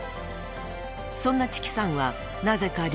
［そんなチキさんはなぜか料理上手］